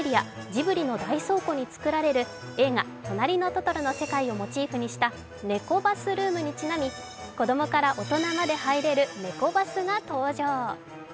ジブリの大倉庫に作られる映画「となりのトトロ」の世界をモチーフにしたネコバスルームにちなみ、ネコバスルームにちなみ子供から大人まで入れるネコバスが登場。